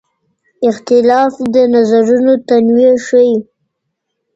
اختلاف د نظرونو تنوع ښيي.